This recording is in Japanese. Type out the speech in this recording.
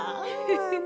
フフフ。